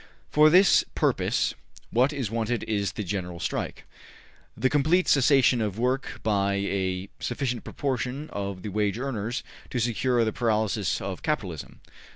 For this purpose what is wanted is the General Strike, the complete cessation of work by a sufficient proportion of the wage earners to secure the paralysis of capitalism.